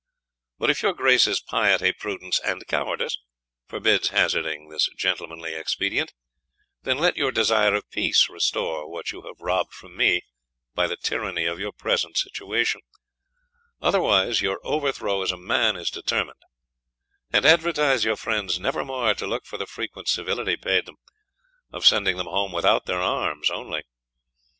But if your Grace's piety, prudence, and cowardice, forbids hazarding this gentlemanly expedient, then let your desire of peace restore what you have robed from me by the tyranny of your present cituation, otherwise your overthrow as a man is determined; and advertise your friends never more to look for the frequent civility payed them, of sending them home without their arms only.